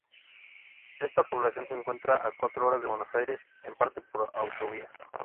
Esta población se encuentra a cuatro horas de Buenos Aires, en parte por autovía.